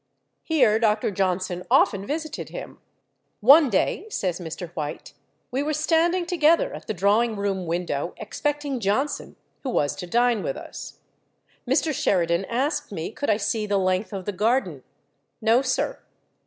Here Dr. Johnson often visited him. "One day," says Mr. Whyte, "we were standing together at the drawing room window expecting Johnson, who was to dine with us. Mr. Sheridan asked me could I see the length of the garden. 'No, sir.